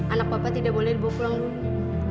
anak bapak tidak boleh pulang dulu